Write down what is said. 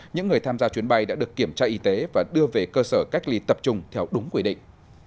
những người tham gia chuyến bay đã được kiểm tra y tế và đưa về cơ sở cách ly tập trung theo đúng quy định